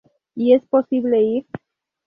Y es posible ir?